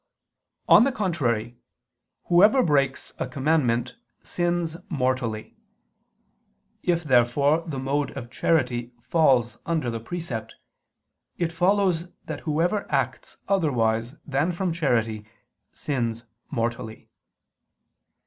On the contrary, Whoever breaks a commandment sins mortally. If therefore the mode of charity falls under the precept, it follows that whoever acts otherwise than from charity sins mortally.